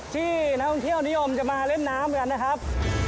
ที่นักท่องเที่ยวนิยมจะมาเล่นน้ำกันนะครับ